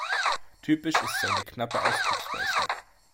Typisch ist seine knappe Ausdrucksweise.